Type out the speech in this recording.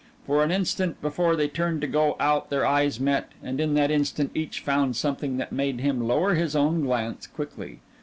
For an instant before they turned to go out their eyes met and in that instant each found something that made him lower his own glance quickly.